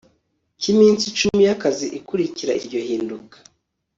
cy iminsi icumi y akazi ikurikira iryo hinduka